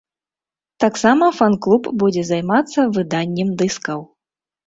Таксама фан-клуб будзе займацца выданнем дыскаў.